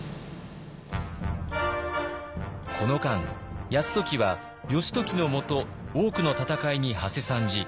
この間泰時は義時の下多くの戦いにはせ参じ